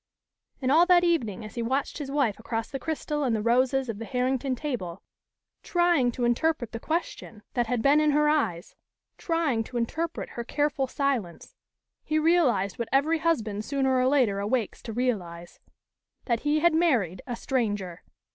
And all that evening as he watched his wife across the crystal and the roses of the Herrington table, trying to interpret the question that had been in her eyes, trying to interpret her careful silence, he realized what every husband sooner or later awakes to realize that he had married a stranger.